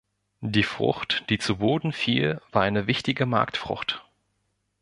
Die Frucht, die zu Boden fiel, war eine wichtige Marktfrucht.